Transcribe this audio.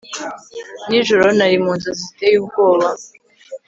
nijoro, nari mu nzozi ziteye ubwoba